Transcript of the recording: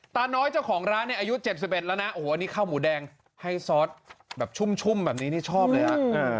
ตาน้อยเจ้าของร้านอายุ๗๑แล้วนะอันนี้ข้าวหมูแดงให้ซอสแบบชุ่มแบบนี้ชอบเลย